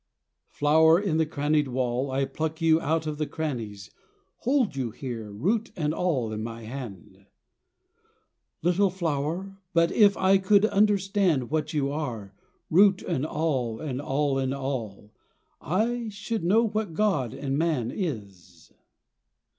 Flower in the crannied wall, I pluck you out of the crannies; Hold you here, root and all, in my hand, Little flower but if I could understand What you are, root and all, and all in all, I should know what God and man is.